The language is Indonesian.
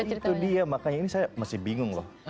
itu dia makanya ini saya masih bingung loh